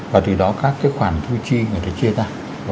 và từ đó các cái khoản thu chi người ta chia ra